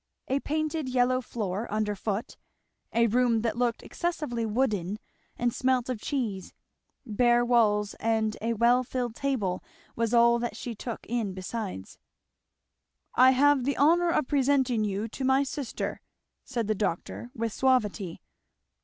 A painted yellow floor under foot, a room that looked excessively wooden and smelt of cheese, bare walls and a well filled table, was all that she took in besides. "I have the honour of presenting you to my sister," said the doctor with suavity.